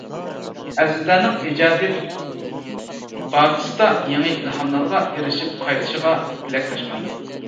ئەزىزلەرنىڭ ئىجادىيەت بازىسىدا يېڭى ئىلھاملارغا ئېرىشىپ قايتىشىغا تىلەكداشمەن.